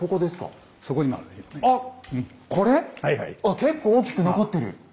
結構大きく残ってる。